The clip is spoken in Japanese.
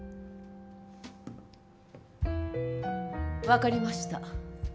分かりました。